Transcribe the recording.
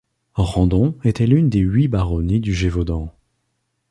Randon était l'une des huit baronnies du Gévaudan.